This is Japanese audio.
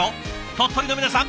鳥取の皆さん